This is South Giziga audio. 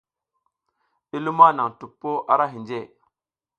I luma naƞ tuppo ara hinje.